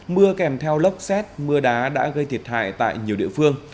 mưa kèm theo lốc xét mưa đá đã gây thiệt hại tại nhiều địa phương